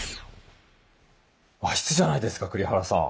和室じゃないですか栗原さん。